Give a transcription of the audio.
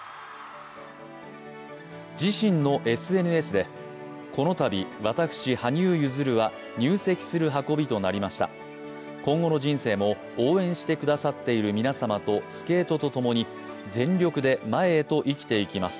自身のＳＮＳでこの度、羽生結弦は入籍する運びとなりました、今後の人生も応援してくだっさている皆さんと、スケートとともに全力で前へと生きていきます。